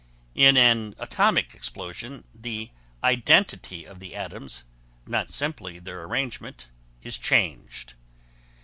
In an atomic explosion the identity of the atoms, not simply their arrangement, is changed.